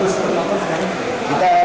status berapa sekarang